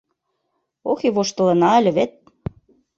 Ох и воштылына ыле вет!